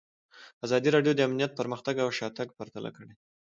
ازادي راډیو د امنیت پرمختګ او شاتګ پرتله کړی.